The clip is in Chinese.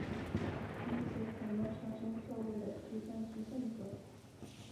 因此可能产生错误的计算及动作。